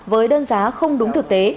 với đơn giá không đúng thực tế